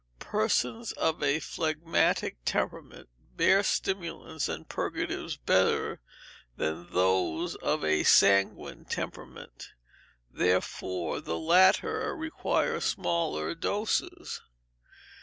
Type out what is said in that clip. Persons of a phlegmatic temperament bear stimulants and purgatives better than those of a sanguine temperament, therefore the latter require smaller doses.